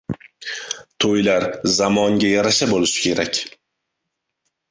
To‘ylar zamonga yarasha bo‘lishi kerak.